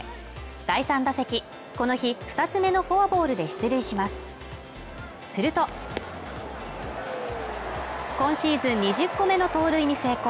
第３打席この日２つ目のフォアボールで出塁しますすると今シーズン２０個目の盗塁に成功